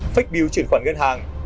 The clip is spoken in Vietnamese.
fake biêu chuyển khoản ngân hàng